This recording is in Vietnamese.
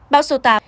báo số tám